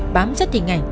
bám sát hình ảnh